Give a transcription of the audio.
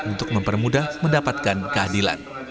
untuk mempermudah mendapatkan keadilan